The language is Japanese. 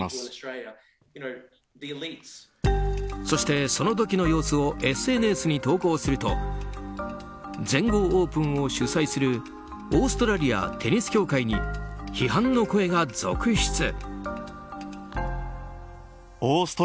そして、その時の様子をＳＮＳに投稿すると全豪オープンを主催するオーストラリアテニス協会に批判の声が続出。